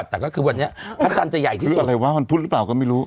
แต่ก็คือวันนี้พระจันทร์จะใหญ่ที่สุดอะไรวะวันพุธหรือเปล่าก็ไม่รู้